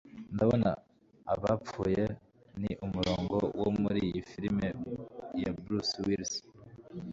Ndabona abapfuye ni umurongo wo muri iyi film ya Bruce Willis